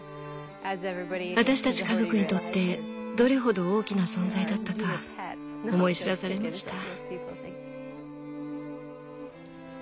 私たち家族にとってどれほど大きな存在だったか思い知らされました。